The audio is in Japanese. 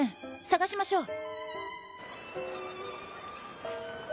捜しましょう。